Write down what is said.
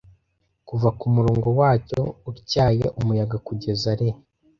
Kuva kumurongo wacyo utyaye umuyaga kugeza lee,